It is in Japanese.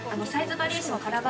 バリエーションカラー